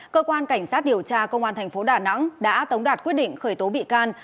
cơ quan cảnh sát điều tra công an thành phố đà nẵng đã tống đạt quyết định khởi tố bị can